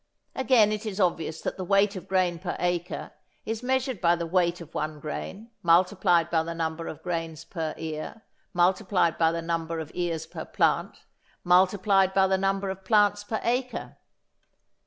Again it is obvious that the weight of grain per acre is measured by the weight of one grain, multiplied by the number of grains per ear, multiplied by the number of ears per plant, multiplied by the number of plants per acre.